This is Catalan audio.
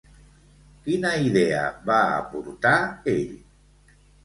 Quina idea va aportar ell?